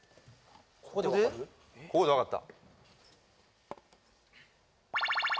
ここでわかった？